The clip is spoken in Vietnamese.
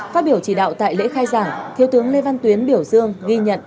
phát biểu chỉ đạo tại lễ khai giảng thiếu tướng lê văn tuyến biểu dương ghi nhận